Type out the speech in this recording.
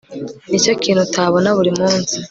Nicyo kintu utabona buri munsi